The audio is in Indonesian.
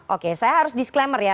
oke saya harus disclaimer ya